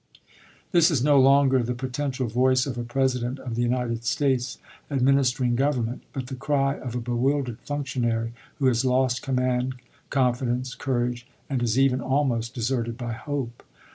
This is no longer the potential voice of a Presi dent of the United States administering govern ment, but the cry of a bewildered functionary who has lost command, confidence, courage, and is even almost deserted by hope.